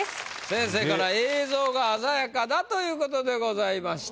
先生から「映像が鮮やか！」だということでございました。